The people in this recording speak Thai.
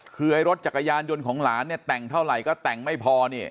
คือไอ้รถจักรยานยนต์ของหลานเนี่ยแต่งเท่าไหร่ก็แต่งไม่พอเนี่ย